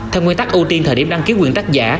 theo nguyên tắc ưu tiên thời điểm đăng ký quyền tác giả